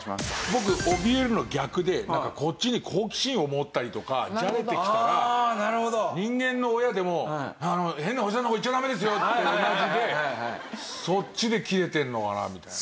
僕おびえるの逆でこっちに好奇心を持ったりとかじゃれてきたら人間の親でも「変なおじさんのとこ行っちゃダメですよ」と同じでそっちでキレてるのかなみたいな。